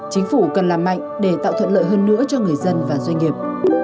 chính phủ cần làm mạnh để tạo thuận lợi hơn nữa cho người dân và doanh nghiệp